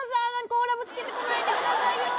甲羅ぶつけてこないでくださいよ